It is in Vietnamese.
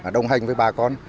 đồng hành với bà con